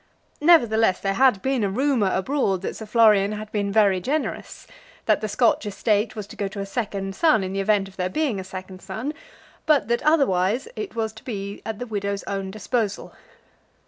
Nevertheless, there had been a rumour abroad that Sir Florian had been very generous; that the Scotch estate was to go to a second son in the event of there being a second son; but that otherwise it was to be at the widow's own disposal.